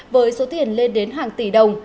với số tiền lên đến hàng tỷ đồng